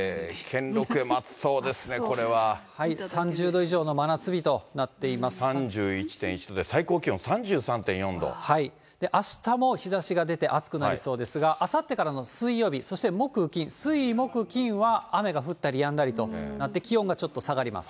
３０度以上の真夏日となって３１．１度で最高気温３３．あしたも日ざしが出て暑くなりそうですが、あさってからの水曜日、そして木、金、水、木、金は雨が降ったりやんだりとなって、気温がちょっと下がります。